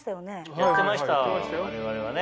やってました我々はね。